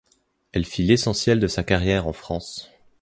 Elle fit l'essentiel de sa carrière en France.